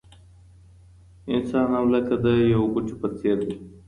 انسان هم لکه د یو بوټي په څېر دی.